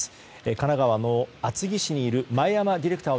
神奈川の厚木市にいる前山ディレクター